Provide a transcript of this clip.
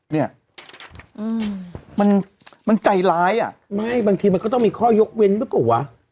เนี่ยมันใจร้ายอ่ะไม่บางทีมันก็ต้องมีข้อยกเว้นหรือเปล่าวะ